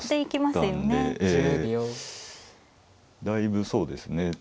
だいぶそうですね。